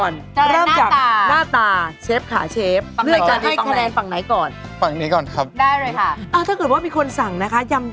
น้ำยำมันลาดแล้วก็แบบว่ามันไม่กรอบ